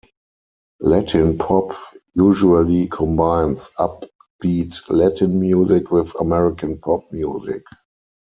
Latin pop usually combines upbeat Latin music with American pop music.